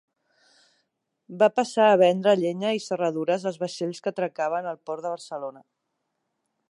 Va passar a vendre llenya i serradures als vaixells que atracaven al Port de Barcelona.